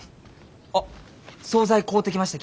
あっ総菜買うてきました